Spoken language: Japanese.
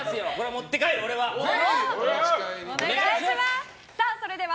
持って帰る、俺は！